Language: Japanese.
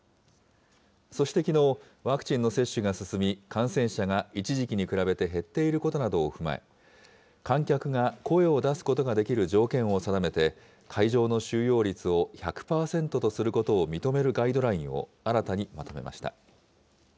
そしてきのう、ワクチンの接種が進み、感染者が一時期に比べて減っていることなどを踏まえ、観客が声を出すことができる条件を定めて、会場の収容率を１００％とすることを認めるガイドラインを新たにまとめました。